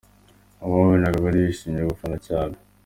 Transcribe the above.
Abo wabonaga bari bishimiye gufana cyane.